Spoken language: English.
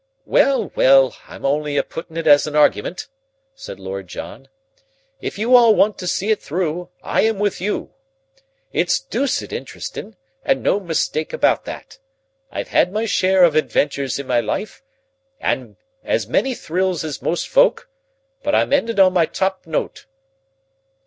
"Well, well, I'm only puttin' it as an argument," said Lord John. "If you all want to see it through I am with you. It's dooced interestin', and no mistake about that. I've had my share of adventures in my life, and as many thrills as most folk, but I'm endin' on my top note."